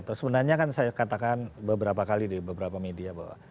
terus sebenarnya kan saya katakan beberapa kali di beberapa media bahwa